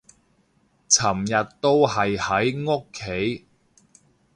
尋日都係喺屋企